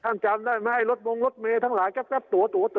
ท่านจำได้ไหมไอ้รถมงรถเมทั้งหลายแก๊บแก๊บตั๋วตั๋วเต๋อ